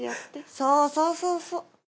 そうそうそうそう。